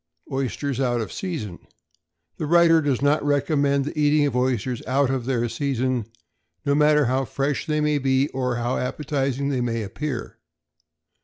=Oysters out of Season.= The writer does not recommend the eating of oysters out of their season, no matter how fresh they may be, or how appetizing they may appear.